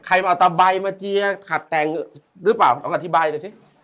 ใครมาเอาตาใบมาเกียร์ขาดแต่งหรือเปล่าเอาอธิบายเลยสิ